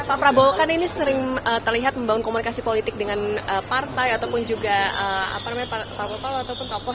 pak prabowo kan ini sering terlihat membangun komunikasi politik dengan partai ataupun juga pak topol tol atau pak poh